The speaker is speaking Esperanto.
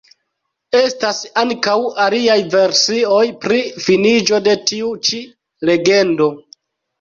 Estas ankaŭ aliaj versioj pri finiĝo de tiu ĉi legendo.